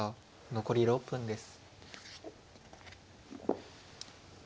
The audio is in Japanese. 残り６分です。